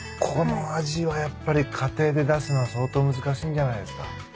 この味はやっぱり家庭で出すのは相当難しいんじゃないですか？